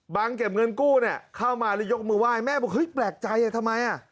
เก็บเงินกู้เนี่ยเข้ามาแล้วยกมือไหว้แม่บอกเฮ้ยแปลกใจทำไมอ่ะ